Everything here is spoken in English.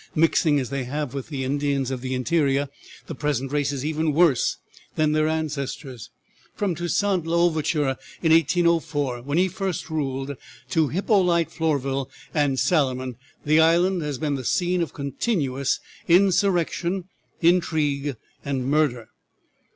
Mixing as they have with the Indians of the interior, the present race is even worse than their ancestors. From Toussant l'Overture in 1804, when he first ruled, to Hyppolite Florvil and Salomon, the island has been the scene of continuous insurrection, intrigue, and murder.